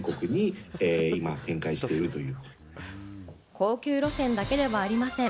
高級路線だけではありません。